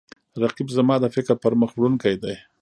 رقیب زما د فکر پرمخ وړونکی دی